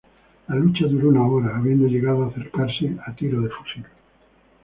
La lucha duró una hora, habiendo llegado a acercarse a tiro de fusil.